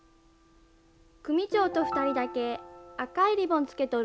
組長と２人だけ赤いリボンつけとるんよ。